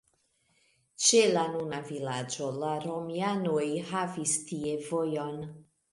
Ĉe la nuna vilaĝo la romianoj havis tie vojon.